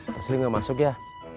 tersilip nggak masuk ya